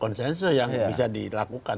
konsensus yang bisa dilakukan